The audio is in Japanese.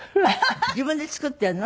自分で作っているの？